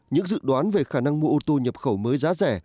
những dự đoán về khả năng mua ô tô nhập khẩu mới giá rẻ